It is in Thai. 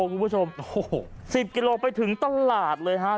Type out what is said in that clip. คุณผู้ชมโอ้โห๑๐กิโลไปถึงตลาดเลยฮะ